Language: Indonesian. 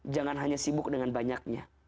jangan hanya sibuk dengan banyaknya